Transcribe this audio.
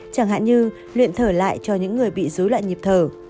chẳng hạn như luyện thở lại cho những người bị dối loạn nhịp thở